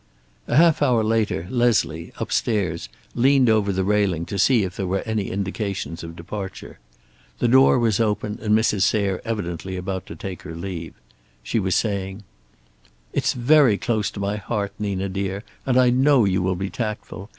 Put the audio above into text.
A half hour later Leslie, upstairs, leaned over the railing to see if there were any indications of departure. The door was open, and Mrs. Sayre evidently about to take her leave. She was saying: "It's very close to my heart, Nina dear, and I know you will be tactful.